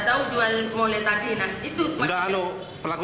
saya mau di ngambil pisau